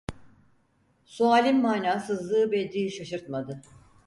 Sualin manasızlığı Bedri’yi şaşırtmadı.